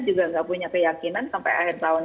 juga nggak punya keyakinan sampai akhir tahun